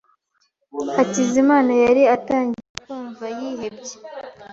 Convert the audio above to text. Hakizimana yari atangiye kumva yihebye.